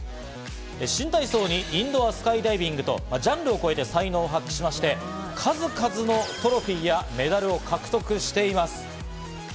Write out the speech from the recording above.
新体操にインドアスカイダイビングとジャンルを超えて才能を発揮し、数々のトロフィーやメダルを獲得しています。